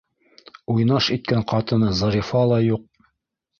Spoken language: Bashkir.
Уйнаш иткән ҡатыны Зарифа ла юҡ.